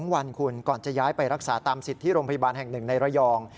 วันคุณก่อนจะย้ายไปรักษาตามสิทธิ์ที่โรงพยาบาลแห่ง๑ในระยอง